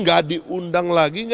gak diundang lagi